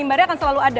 pembeli akan selalu ada